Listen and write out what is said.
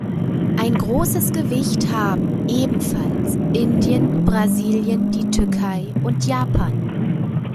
Ein großes Gewicht haben ebenfalls Indien, Brasilien, die Türkei und Japan.